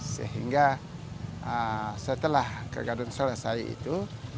sehingga setelah kegaduhan selesai itu